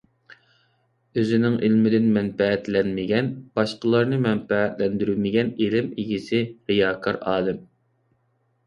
ئۆزىنىڭ ئىلمىدىن مەنپەئەتلەنمىگەن، باشقىلارنى مەنپەئەتلەندۈرمىگەن ئىلىم ئىگىسى رىياكار ئالىم.